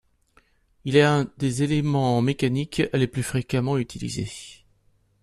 Il est un des éléments mécaniques les plus fréquemment utilisés.